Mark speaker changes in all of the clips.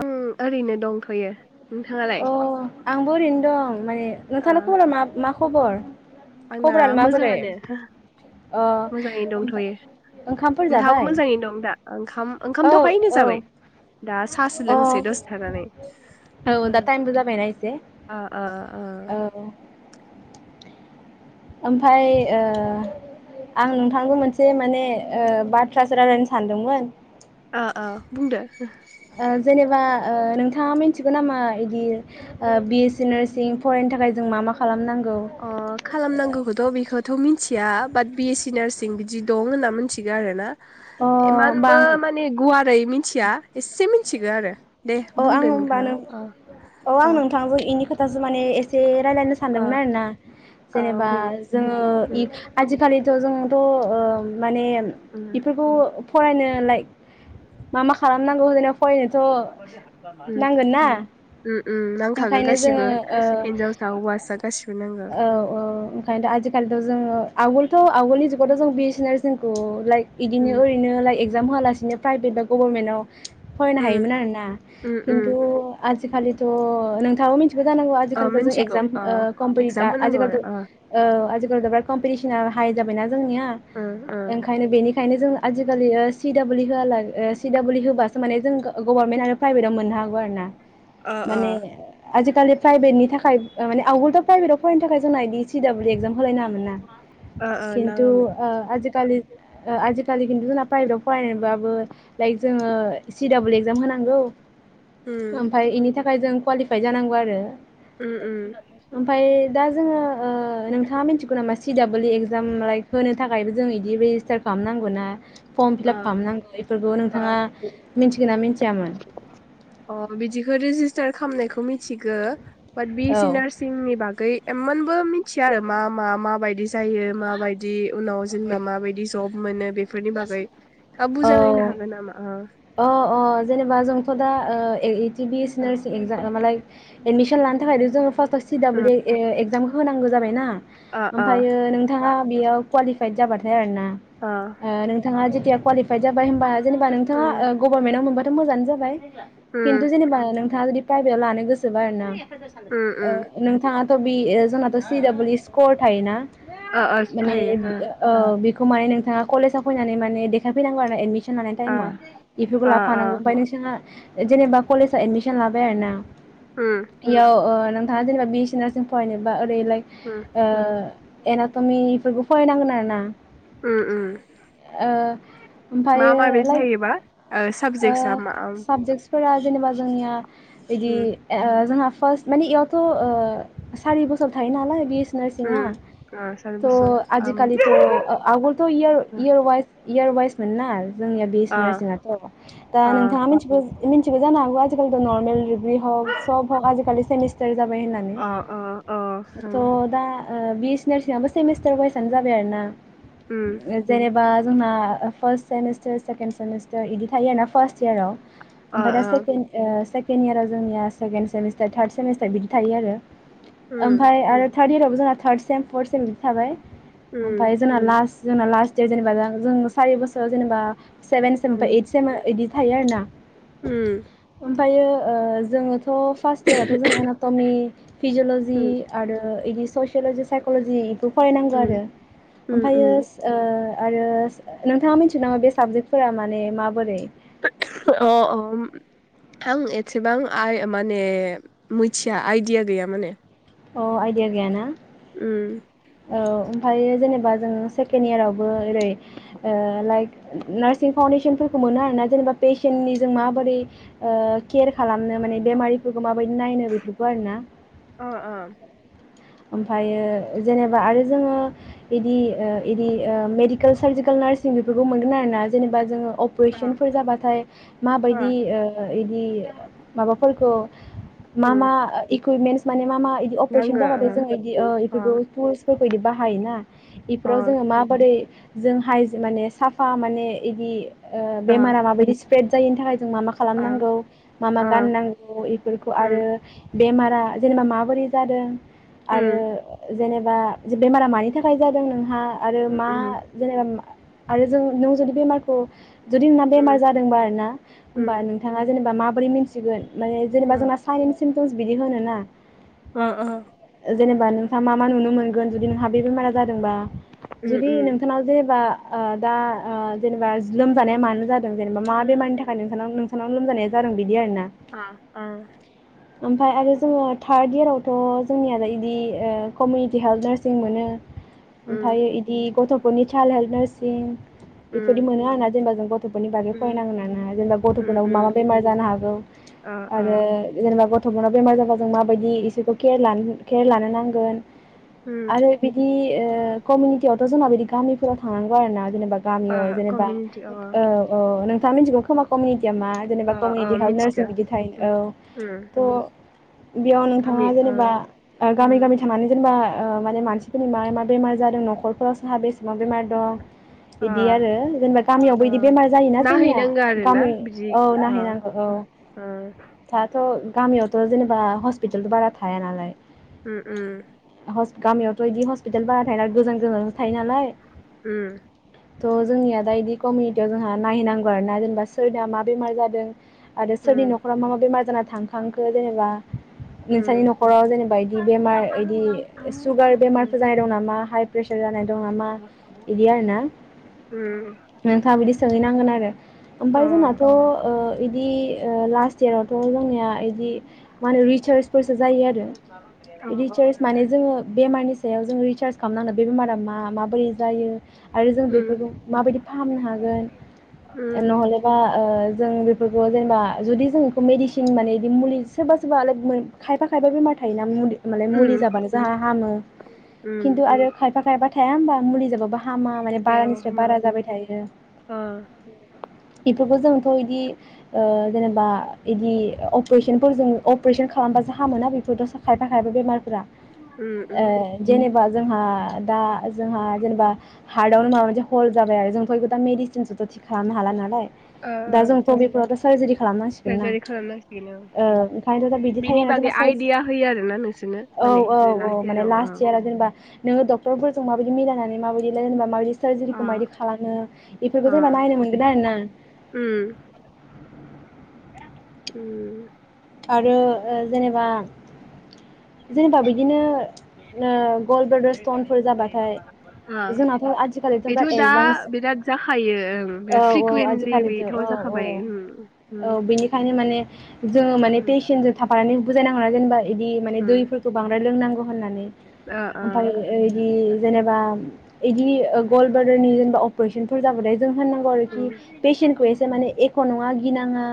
Speaker 1: उ ओरैनो दंथयो ।
Speaker 2: अ आंबो औरैन दं माने
Speaker 1: ओ
Speaker 2: नोंथाङना खबला मा मा खबर
Speaker 1: आंना
Speaker 2: खबरालाय माबोरै
Speaker 1: मोजाङानो
Speaker 2: अ
Speaker 1: मोजाङैनो
Speaker 2: ओमफ्राय
Speaker 1: दंथयो
Speaker 2: ओंखामफोर
Speaker 1: नोंथाङाबो
Speaker 2: जाबाय
Speaker 1: मोजाङैनो दं दा? ओंखाम
Speaker 2: औ
Speaker 1: ओंखाम दहायनो
Speaker 2: औ
Speaker 1: जाबाय दा सासो
Speaker 2: अ
Speaker 1: लोंसै दसे थानानै
Speaker 2: औ दा टाइमबो जाबायना एसे?
Speaker 1: ओ ओ
Speaker 2: औ ओमफाय ओ आं नोंथांजों मोनसे माने ओ बाथ्रासो रायलायनो सानदोंमोन ।
Speaker 1: ओ ओ बुंदो
Speaker 2: ओ जेनेबा ओ नोंथाङा मिथिगौ नामा? बि ओ बिस नारसिं फरायनो थाखाय जों मा मा खालामनां
Speaker 1: अ खालामनांगौखौथ' बेखौथ' मि थिया बाट बि एस सि नार्सिं बिदि दं होनना मिथिगौ आरो ना
Speaker 2: अ
Speaker 1: ।
Speaker 2: होमबा
Speaker 1: इमानबो
Speaker 2: आं
Speaker 1: माने गुवारै मिथिया एसे मिथि गो आरो ।
Speaker 2: अ आं ओमबा नों औ आं
Speaker 1: अ
Speaker 2: नोंथांजों इनि खोथासो माने एसे रायलायनो
Speaker 1: अ
Speaker 2: सानदोंमोन आरो ना
Speaker 1: अ
Speaker 2: जेनेबा
Speaker 1: बुं
Speaker 2: जोङो इ
Speaker 1: उम
Speaker 2: आजिखालि ओ जोंथ' ओम माने
Speaker 1: उम
Speaker 2: इफोरखौ फरायनो लाइक मा मा खालामनांगौ जेन' फरायनोथ'
Speaker 1: उम
Speaker 2: नांगोन ना
Speaker 1: उम उम नांखागो
Speaker 2: ओंखायनो जोङो
Speaker 1: गासिबो
Speaker 2: ओ
Speaker 1: हिनजावसा हौवासा गासिबो नांगौ
Speaker 2: औ
Speaker 1: उम
Speaker 2: औ ओंखायनोथ' आजिखालिथ' जोङो आवगोलथ' आवगोलनि जुगावथ' जों बिजिनेस जोंखौ लाइक बिदिनो
Speaker 1: उम
Speaker 2: ओरैनो लाइ एक एगजाम होआलासिनो प्राइभेट बा गभर्नमेन्टवा फरायनो
Speaker 1: उम
Speaker 2: हायोमोन आरोना
Speaker 1: उम
Speaker 2: खिन्थु
Speaker 1: उम
Speaker 2: आ जिखालिथ' नों थांआबो मिन्थिगो जानांगौ
Speaker 1: ओ
Speaker 2: आजिकालिथ' जों
Speaker 1: मिथिगौ
Speaker 2: एक्जाम ओ
Speaker 1: एगजाम
Speaker 2: दा
Speaker 1: होनांगौ
Speaker 2: आजिखालिथ'
Speaker 1: आरो
Speaker 2: ओ आजिखालिथ' बेराद कमपिटिसना हाय जाबायना जोंनिया
Speaker 1: ओ
Speaker 2: ओंखायनो बेनिखायनो जों आजिखालि ओ सि डाब्लि होआला सि डाब्लि होबासो माने जों गभारनमेन्ट आरो प्राइभेटाव मोननो हागौ आरो ना।
Speaker 1: ओ ओ
Speaker 2: माने आजि खालि प्राइभेटनि थाखाय माने आउगोलथ' प्राइभेटआव फरायनो थाखाय जोंना इदि सि डाब्लिउ एक्जाम होलायनाङामोन ना
Speaker 1: ओ ओ
Speaker 2: खिन्थु
Speaker 1: नाङामोन
Speaker 2: ओ आजिखालि ओ आजिखाालि खिथु जोंना प्राइभेटआव फरायनायबाबो लाइक जोंङो सि डाबल एक्जाम होनांगौ
Speaker 1: उम
Speaker 2: । ओमफाय इनि थाखाय जों क्वालि फ्राय जानांगौ आरो
Speaker 1: उम उम
Speaker 2: ओमफ्राय दा जोंङो ओ नोंथाङा मिथिगौ नामा सि डाबल इ एक्जाम लाइक होनो थाखायबो जों इदि बो रेजिस्टार खालामनांगौ ना फर्म
Speaker 1: ओ
Speaker 2: फिलाप खालामनांगौ बेफोरखौ नोंथाङा
Speaker 1: ओ
Speaker 2: मिथिगौ ना मिथियामोन
Speaker 1: अ बिदिखौ [unintelligible] खालामनायखौ मिथिगो बि ए
Speaker 2: औ
Speaker 1: सि नारचिंनि बागै इमानबो मिथिया आरो मा-मा माबायदि जायो माबायदि उनाव जेनेबा माबायदि जब मोनो बेफोरनि बागै थाब
Speaker 2: औ
Speaker 1: बुजायनो हागोन नामा ओ
Speaker 2: अ-अ जेनेबा जों [unintelligible] बि ए सि नारचिं एक्जामआलाय एडमिसन लानो थाखाय जों फास्ट सि दाबल इ ए एक्जाम होनांगौ जाबाय ना
Speaker 1: ओ ओ
Speaker 2: ओमफायो नोंथाङा बेयाव क्वालिफाइ जाबाथाय आरो ना ओ नोंथाङा जेथिया कवालि फाइट जाबाय‌ होनबा
Speaker 1: मा
Speaker 2: जेनेबा नोंथाङा‌ गभारनमेन्टआव मोनबाथ मोजांङानो जाबाय खिन्थु जेनेबा नोंथाङा जुदि प्राइभेटाव लानो गोसोबा आरो ना नोंथाङाथ बि जोंनाथ सि दाबल इ स्कर थायोना माने बेखौ माने नोंथांङा कलेजाव फैनानै माने देखाय फैनागौ आरो ना‌ एदमि एदमिसन लानाय थाइमाव इफोरखौ लाबो फानांगौ जेनेबा कलेजयाव [unintelligible] लाबाय आरोना इयाव नोंथाङा जेनेबा बि ए सि नारचिं फरायनोबा बेलाइ ओ एनाथनि फोरबो फरायनांगोन आरोना
Speaker 1: उम उम मा
Speaker 2: ओमफ्रायो
Speaker 1: माबायदि
Speaker 2: लाइक
Speaker 1: जायोबा ओ साबजेक्टआ मा
Speaker 2: फोरा जेनेबा जोंनिया इदि ओ जोंहा फासथ माने इयावथ ओ सारि बसर थायो नालाय नर्सिंहा
Speaker 1: सारि
Speaker 2: त
Speaker 1: बोसोर
Speaker 2: आजिखालिथ' आगोलथ' इयार वाइस इयार वाइस मोन आरो जोंनिया बि एस
Speaker 1: अ
Speaker 2: सि नारसिंआथ दा
Speaker 1: अ
Speaker 2: नोंथाङा मिथि मिथियोबो जानो हागौ आजिखालिथ नर्मेलडिग्रि हक सब हक आजिलि सेमिस्टार जाबाय होननानै
Speaker 1: अ अ अ
Speaker 2: थ' दा बि एस सि नार्सिं आबो सेमिस्टार वाइसानो जाबाय आरो ना जेनेबा जोंना फार्स्ट सेमिस्टार सेकेन्ड सेमिस्टार इदि थायोना फार्स्ट इयाराव ओमफाय दा
Speaker 1: अ अ
Speaker 2: सेकेन्द ओ सेके केनियारा जोंनिया सेकेणड सेमिस्टार थार्ड सेमिस्टार बिदि थायो आरो ओमफ्राय आरो थार्ड इयाराव बो जोहा थार्थ सेम फर्थ सेम थाबाय ओमफाय जोंना लास्ट जोंना लास्ट दे जेनबा जों सारि बोसोर खौ जेनेबा सेभेन सेमनिफाय ओइट सेम इदि थायो आरो ना ओमफायो ओ जोङोथ' फार्स्ट इयारावथ' जों एनटमि फिजिअलजि आरो इदिस स'सियल'जि साइक'लजि बेखौ फरायनांगौ आरो ओमफायो ओ आरो नोंथाङा मिथि मिथियो नामा बे साबजेक्टफोरा माने माबोरै
Speaker 1: [unintelligible] अ अ आं एसेबां आइ माने मोथिया आइदिया गैया माने
Speaker 2: अ आइडिया गैया ना
Speaker 1: उम
Speaker 2: औ ओमफायो जेनेबा जों सेकेणड यारावबो ओरै लाइक नार्सिं फाउन्डेसनफोरखौ मोनो आरोना जेनेबा पेसेन्टनि जों माबोरै केयार खालामनो माने बेमारिफोरखौ माबायदि नायनो बेफोरखौ आरोना
Speaker 1: अ
Speaker 2: ओमफायो जेनेबा आरो जोङो बिदि ओ बिदि मेडिकेल सार्जिकेल नार्सिं बेफोरखौ मोनगोन आरोना जेनेबा जोङो
Speaker 1: अ
Speaker 2: अपरेसनफोर जाबाथाय माबायदि
Speaker 1: अ
Speaker 2: ओ इदि माबाफोरखौ मा
Speaker 1: उम
Speaker 2: मा इकुइपमेन्स माने मा मा इदि अपेरेसन
Speaker 1: नांगो
Speaker 2: जाबाथाय इदि ओ एफोरखो फुस बेफोरबायदि बाहायोना
Speaker 1: अ
Speaker 2: इफोराव जोङो माबोरै जोंहाय माने साफा माने इदि ओ
Speaker 1: अ
Speaker 2: बेमारा माबायदि स्प्रेड जायैनि थाखाय जों मा मा
Speaker 1: अ
Speaker 2: खालामनांगौ मा मा
Speaker 1: अ
Speaker 2: गाननांगौ इफोरखौ
Speaker 1: उम
Speaker 2: आरो बेमारा जेनेबा माबोरै जादों। आरो
Speaker 1: उम
Speaker 2: जेनेबा बा बेमारा मानि थाखाय जादों नोंहा, आरो मा
Speaker 1: उम
Speaker 2: जेनेबा आरो जों नों जुदि बेमारखौ जुदि नोंना बेमार
Speaker 1: उम
Speaker 2: जादोंबा आरो ना होनबा
Speaker 1: उम
Speaker 2: नोंथाङा जेनेबा मा बोरै मिन्थिगोन। माने जेनेबा
Speaker 1: अ
Speaker 2: जोंना चाइननिसिम बिदि होनो ना।
Speaker 1: ओ ओ।
Speaker 2: जेनेबा नोंथाङा मा मा नुनो मोनगोन जुदि नोंहा बे बेमारा जादोंबा
Speaker 1: उम
Speaker 2: जुदि
Speaker 1: उम
Speaker 2: नोंथांनाव जेनेबा ओ दा ओ जेनेबा लोमजानाया मानो जादों जेनेबा मा बेमारनि थाखाय नोंसानाव नोंसानाव लोमजानाया जादों बिदि आरोना।
Speaker 1: अ अ
Speaker 2: ओमफ्राय आरो जोङो थार्द इयारावथ' जोंनियालाय इदि ओ कमिउनिटि हेल्थ नार्सिं मोनो।
Speaker 1: उम
Speaker 2: ओमफ्राय इदि गथफोरनि चाइल्ड हेल्प नार्स [unintelligible] बेफोरदि
Speaker 1: उम
Speaker 2: मोनो आरोना जेनेबा जों गथ'फोरनि बागै
Speaker 1: उम
Speaker 2: फरायनांगोन ना ना जेनेबा
Speaker 1: उम
Speaker 2: गथ'फोरनाव मा मा
Speaker 1: उम
Speaker 2: बेमार जानो हागौ
Speaker 1: अ अ
Speaker 2: आरो जेनेबा गथ'फोरा बेमार जाबा जों माबायदि इसोरखौ केयार लानो केयार लानो नांगोन।
Speaker 1: उम
Speaker 2: आरो बिदि ओ कमिउनिटियावथ' जोंना बिदि गामि थानांगौ आरो ना। जेनेबा
Speaker 1: अ
Speaker 2: गामियाव जेनेबा
Speaker 1: कमिउनिटि अ
Speaker 2: ओ औ। [unintelligible] या मा जेनेबा
Speaker 1: अ अ
Speaker 2: कमिउनिथियाव हेल्थ नारसिं
Speaker 1: मिथिगो
Speaker 2: बिदि थायो
Speaker 1: उम
Speaker 2: औ
Speaker 1: उम उम
Speaker 2: थ' बेयाव नोंथाङा
Speaker 1: गामि
Speaker 2: जेनेबा
Speaker 1: ओ
Speaker 2: बा ओ गामि
Speaker 1: उम
Speaker 2: गामि थानानै जेनेबा ओ माने मानसिफोरनि मा मा बेमार जादों नख'रफोराव सा बेसेबां बेमार दं।
Speaker 1: अ
Speaker 2: इदि आरो जेनेबा गामियावबो
Speaker 1: अ
Speaker 2: इदि बेमार जायोना जोंनिया
Speaker 1: नायहैनांगो आरो ना
Speaker 2: गामि
Speaker 1: बिदि
Speaker 2: औ
Speaker 1: अ
Speaker 2: नायहैनांगौ औ
Speaker 1: अ
Speaker 2: दाथ' गामियावथ' जेनेब बा हस्पिटाल बारा थाया नालाय
Speaker 1: उम उम
Speaker 2: हस गामियावथ' इदि हस पिथाल बारा थायोनालाय गोजान गोजानो थायो नालाय।
Speaker 1: उम
Speaker 2: थ' जोंनिया दा इदि कमिउनिटियाव जोंहा नायहैनांगौ आर ना जेनेबा सोरनिया मा बेमार जादों। आरो सोरनि
Speaker 1: उम
Speaker 2: न'खराव मा मा बेमार जाना थांखांखो जेनेबा नोंसानि न'खर नखराव जेनेबा इदि बेमार इदि सुगार बेमारफोर जानाय दं नामा हाइ प्रेसार जानाय दं नामा इदि आरो ना नोंथाङा बिदि सोंहैनांगोन आरो। बाय जानाथ' ओ इदि ओ लास्ट इयार आवथ' जोंनिया इदि मा होनो रिसार्च फोर जायो आरो रिचार्ज माने जोङो बेमारनि सायाव जों रिसार्ज खामनांगोन बे बेमारा मा माबोरै जायो। आरो जों बेफोरखौ माबायदि फाहामनो हागोन
Speaker 1: सार्जारि
Speaker 2: नहेलेबा जों बेफोरखौ जेनेबा जुदि जों मेडिसिन माने इदि मुलि सोरबा सोरबा लै गुमै। खायफा खायफा बेमार थायोना मुलि माले मुलि जाबानो जोंहा हामो खिन्थु आरो खायफा खायफा थाया होमबा। मुलि जाबा बा हामा माने बारानिफ्राय बारा जाबाय थायो। बेफोरखौ जोंथ' इदि ओ जेनेबा इदि अपारेशनफोरजों अपारेशन खालामबा जा खायफा खायफा बेमार फ्रा ओ जेनेब जोंहा दा जोंहा जेनेबा हार्टआवनो माबा मोनसे हल जाबाय आरो जोंफोरबो दा मेडिसिनसोथ' थि खालामनो हाला नालाय दा जोंथ' बेफोरावथ' सार्जारि खालामनांसिगोन ना
Speaker 1: खालामनांसिगोन औ
Speaker 2: ओ ओंखायनोथ' दा बिदि थायो।
Speaker 1: दिहा होयो आरो ना नोंसोरनो
Speaker 2: औ
Speaker 1: माने
Speaker 2: औ औ
Speaker 1: लास्ट
Speaker 2: माने
Speaker 1: इयाराव ओ।
Speaker 2: लास्ट इयारा जेनेबा नोङो डक्टरफोरजों माबायदि मिलायनानै माबायदि लायेनबा माबायदि
Speaker 1: अ
Speaker 2: सारर्जारिखौ मायदि खालामो बेफोरखौ
Speaker 1: अ
Speaker 2: जेनबा नायनो मोनगोन आरो ना।
Speaker 1: उम उम।
Speaker 2: आरो जेनेबा जेनेबा बिदिनो नों गल्ड ब्रादार स्टनफोर जाबाथाय
Speaker 1: अ
Speaker 2: जोंनाथ आजिखालिथ दा
Speaker 1: बेथ'
Speaker 2: एडभान्स
Speaker 1: बिराद जाखायो ओं
Speaker 2: औ
Speaker 1: बिराद
Speaker 2: औ
Speaker 1: फ्रिकुवेन्टलि
Speaker 2: आजिखालिथ
Speaker 1: बेथ'
Speaker 2: औ औ
Speaker 1: जाखाबाय उम उम
Speaker 2: औ बिनिखायनो माने जोङो माने
Speaker 1: उम
Speaker 2: पेसेन्टजों थाफानानै बुजायनांगौ ना जेनेबा इदि माने
Speaker 1: उम
Speaker 2: दैफोरखौ बांद्राय लोंनांगो। होननानै
Speaker 1: ओ
Speaker 2: ओमफाय ओ इदि जेनेबा इदि ओ गलब्लादारनि जेनेबा अपारेसनफोर जाबाथाय जों होननांगौ आरोखि पेसेन्टखौ एसे माने एख' नङा गिनाङा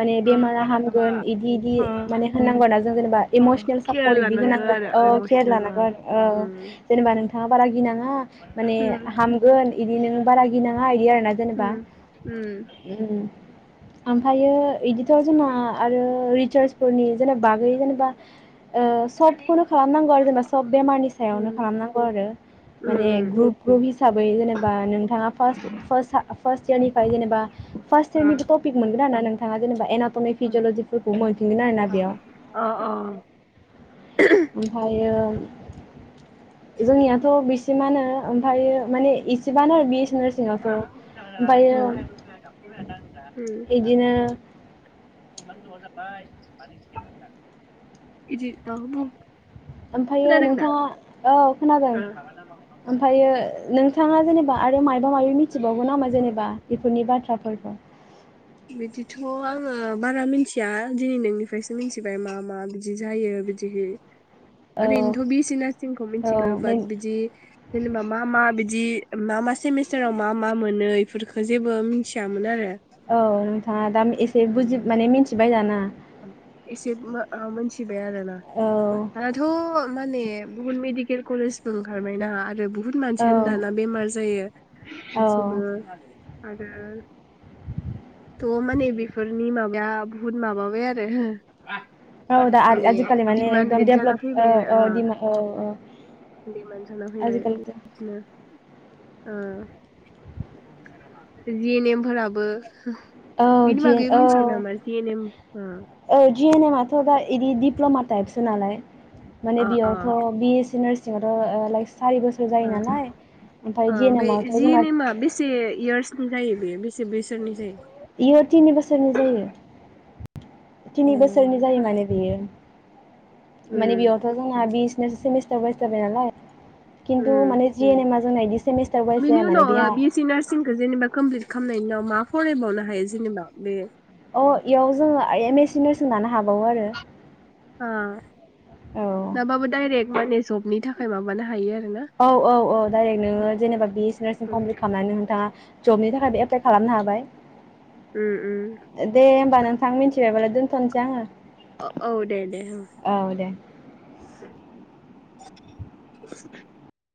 Speaker 2: माने
Speaker 1: ओ
Speaker 2: बेमारा
Speaker 1: उम ओ
Speaker 2: हामगोन इदि इदि
Speaker 1: हाँ
Speaker 2: माने होननांग' ना जों जेनेबा इमस
Speaker 1: हाँ
Speaker 2: सापर्ट इदि होनांगोन औ केयार लानांग' आरो ओ जेनेबा नोंथाङा बारा गिनाङा माने हामगोन इदि नों बारा गिनाङा इद दि आरो जेनेबा उम आमफायो इदि थ' जोंना‌ आरो रिचार्स फोरनि जेनेबागै जेनेबा ओ सबखौनो खालामनांगौ आरो जेनेबा सब बेमारनि सायावनो खालामनांगौ आरो माने ग्रुप ग्रुप हिसाबै जेनेबा नोंथाङा फास्ट फास्ट फार्स्ट इयारनिफ्राय जेनेबा फार्स्ट इयारनिबो टपिक मोनगोन आरोना नों थाङा जेनबा एनाब पनि फिजिअलजिफोरखौ मोनफिनगोन आरोना बेयाव ओमफायो जोंनियाथ' थ' बेसे माहोनो ओमफायो माने एसेबानो बि सि नार्सिंआवथ' ओमफ्रायो
Speaker 1: [unintelligible]
Speaker 2: बिदिनो
Speaker 1: उम उम [inaudible]
Speaker 2: ओमफायो नोंथाङा औ खोनादों ओमफायो ओ नोंथाङा जेनेबा आथ रो माइ मायबा मायबि मिथिबावगौ नामा जेनेबा बेफोरनि बाथ्राफोरखो
Speaker 1: बिदिथ‌' आङो बारा मिन्थिया दिनै नोंनिफ्रायसो मिथिबाय मा मा बिदि जायो बिदिहै
Speaker 2: औ
Speaker 1: ओरैनोथ' बि ए सि नारसिंखौ
Speaker 2: औ
Speaker 1: मिनथिगो बाट बिदि जेनेबा मा मा बिद जि मा मा सेमिस्टाराव मा मा मोनो इफोरखो जेबो मिथियामोन आरो
Speaker 2: औ हाट दाम एसे बुजि माने मिन्थिबाय जाना
Speaker 1: एसे मो ओ मोनथिबाय आरोना
Speaker 2: औ
Speaker 1: दानाथ' माने बहुद मेडिक केल कलेजबो ओंखारबायना आरो बु बुहुत
Speaker 2: औ
Speaker 1: मानसियानो दाना बेमार जायो ।
Speaker 2: औ
Speaker 1: सानसेबो आरो अ माने बेफोरनि माबाया बुहुत माबाबा‌ बाय आरो
Speaker 2: औ दा आर
Speaker 1: माने
Speaker 2: आजिखालि माने एकदम
Speaker 1: दिडिमान्डेड जाना
Speaker 2: देपलब औ
Speaker 1: फैबाय
Speaker 2: औ
Speaker 1: आरो
Speaker 2: दिमा औ औ
Speaker 1: दिडिमान्ड
Speaker 2: आजिखालिथ'
Speaker 1: ओ [unintelligible] नेमफोराबो ह
Speaker 2: औ
Speaker 1: बिनि बागैबो मोन्थिगोन नामा? जियेनेम
Speaker 2: ओ जियेनेमाथ' दा इदि दिप्ल'मा टाइपसो नालाय माने
Speaker 1: अ अ
Speaker 2: बेयावथ' बियेसि नारसि जद' ओ लाइस सारि बोसोर
Speaker 1: ओ
Speaker 2: जायो नालाय ओमफाय
Speaker 1: ओमफ्राय
Speaker 2: जियेनेमावथ'
Speaker 1: जि एन
Speaker 2: जोंना
Speaker 1: एमा बेसे इयार्सनि जायो बेयो बेसे बेसोरनि जायो?
Speaker 2: इयो थिनि बोसोरनि जायो ।
Speaker 1: अ
Speaker 2: थिनि बोसोरनि जायो माने बेयो । माने
Speaker 1: उम
Speaker 2: बेयावथ' जोंना बिस नोस सेमिस्टार वायस जाबाय नालाय । खिन्थु
Speaker 1: उम
Speaker 2: माने जियेनेमा जनाय दिस
Speaker 1: बेनि उनाव ओ बियेसि नार्सिंखौ जेनेबा कमप्लिट खालामनायनि उनाव मा फरायबावनो हायो जेनेबा? बे
Speaker 2: अ इयाव जोङो आयेमेसि नार्सिं लानो हाबावो आरो
Speaker 1: ह
Speaker 2: औ
Speaker 1: लाबाबो डाइरेक माने जब नि थाखाय माबानो हायो आर
Speaker 2: औ औ औ डाइरेक नोङो जेनेबा बिएससि नार्सिं कमप्लिट खालामनानै नोंथाङा जबनि थाखायबो एप्लाइ
Speaker 1: उम उम
Speaker 2: खालामनो हाबाय
Speaker 1: उम
Speaker 2: । दे होमबा नोंथ थां मिन्थियाबालाय दोन्थ'नसै आङो
Speaker 1: ओ औ दे दे उ
Speaker 2: औ दे
Speaker 1: [inaudible]